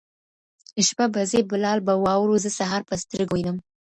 شپه به ځي بلال به واورو زه سهار په سترګو وینم.